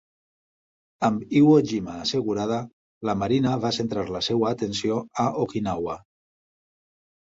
Amb Iwo Jima assegurada, la Marina va centrar la seva atenció a Okinawa.